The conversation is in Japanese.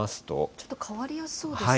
ちょっと変わりやすそうですか？